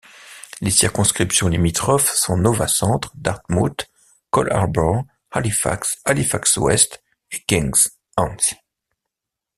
Les circonscriptions limitrophes sont Nova-Centre, Dartmouth—Cole Harbour, Halifax, Halifax-Ouest et Kings—Hants.